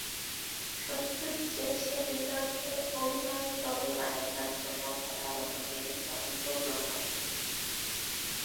সত্যই যে সে বিনয়কে অভিনয়ের দলে টানিবার জন্য ক্রমাগত নির্বন্ধ প্রকাশ করিয়াছে।